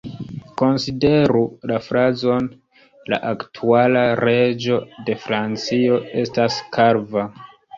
Konsideru la frazon "La aktuala reĝo de Francio estas kalva.